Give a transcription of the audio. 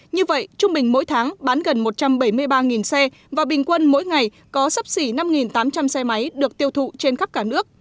như vậy trung bình mỗi tháng bán gần một trăm bảy mươi ba xe và bình quân mỗi ngày có sắp xỉ năm tám trăm linh xe máy được tiêu thụ trên khắp cả nước